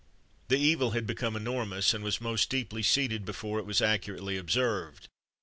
The evil had become enormous, and was most deeply seated before it was accurately observed.